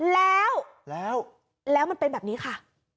แล้วแล้วมันเป็นแบบนี้ค่ะ